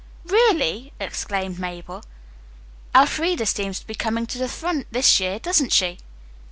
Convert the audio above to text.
"Really!" exclaimed Mabel. "Elfreda seems to be coming to the front this year, doesn't she!"